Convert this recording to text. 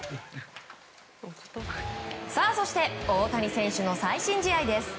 そして大谷選手の最新試合です。